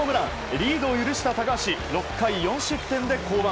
リードを許した高橋６回４失点で降板。